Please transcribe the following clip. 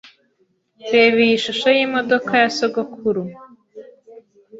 Reba iyi shusho yimodoka ya sogokuru.